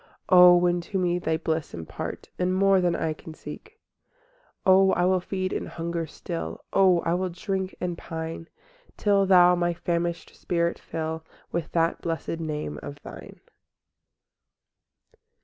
O, when to me Thy bliss impart, And more than I can seek? VIII O I will feed and hunger still, O I will drink and pine Till Thou my famished spirit fill With that blest name of Thine.